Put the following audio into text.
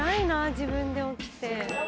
自分で起きて。